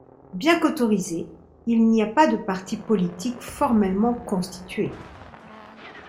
Bien qu’autorisés, il n’y a pas de partis politiques formellement constitués.